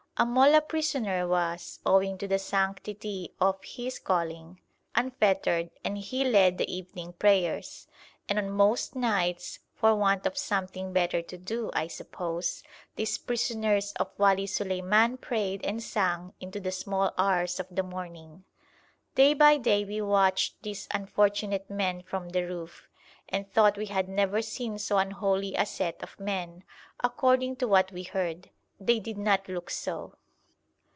A mollah prisoner was, owing to the sanctity of his calling, unfettered, and he led the evening prayers, and on most nights for want of something better to do, I suppose these prisoners of Wali Suleiman prayed and sang into the small hours of the morning. Day by day we watched these unfortunate men from the roof, and thought we had never seen so unholy a set of men, according to what we heard; they did not look so.